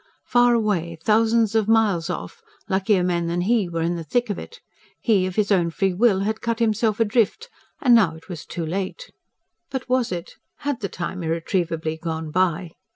Far away, thousands of miles off, luckier men than he were in the thick of it. He, of his own free will, had cut himself adrift, and now it was too late. But was it? Had the time irretrievably gone by?